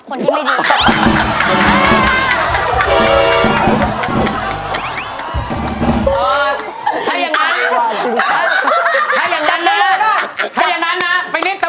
คนที่ไม่ดีน่ะ